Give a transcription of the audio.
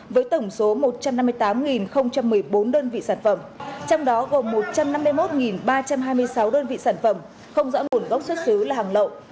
với tổng số một trăm năm mươi tám một mươi bốn đơn vị sản phẩm trong đó gồm một trăm năm mươi một ba trăm hai mươi sáu đơn vị sản phẩm không rõ nguồn gốc xuất xứ là hàng lậu